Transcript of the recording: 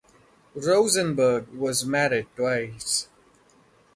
Rosenberg was married twice.